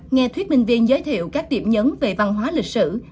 nghe thuyết minh viên giới thiệu các điểm nhấn về văn hóa lịch sử